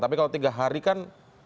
tapi kalau tiga hari kan